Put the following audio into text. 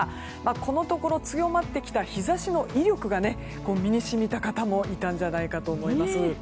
このところ強まってきた日差しの威力が身に染みた方もいたんじゃないかと思います。